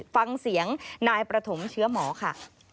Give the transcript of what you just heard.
ฟังเสียงนายประถมเชื้อหมอค่ะ